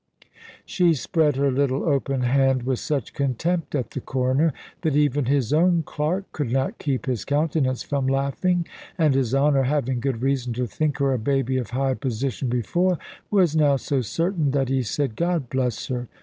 She spread her little open hand with such contempt at the Coroner, that even his own clerk could not keep his countenance from laughing. And his Honour, having good reason to think her a baby of high position before, was now so certain that he said, "God bless her!